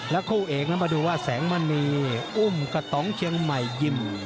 แล้วคู่เอกมาดูว่าแสงมณีอุ้มกะตองเชียงใหม่ยิ่ม